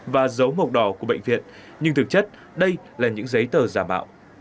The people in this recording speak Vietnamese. và dấu mộc đỏ của bệnh viện nhưng thực chất đây là những giấy tờ giả bạo